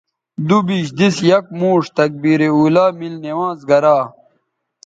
دوبیش دِس یک موݜ تکبیر اولیٰ میل نماز گرا